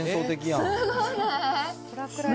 すごいね。